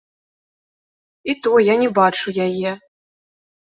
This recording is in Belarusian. І то я не бачу яе.